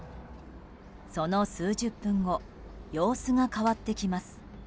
その数十分後様子が変わってきます。